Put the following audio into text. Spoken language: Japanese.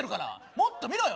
もっと見ろよ！